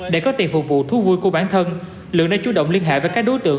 để có tiền phục vụ thú vui của bản thân lượng đã chú động liên hệ với các đối tượng